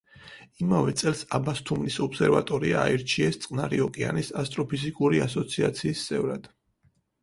იმავე წელს აბასთუმნის ობსერვატორია აირჩიეს წყნარი ოკეანის ასტროფიზიკური ასოციაციის წევრად.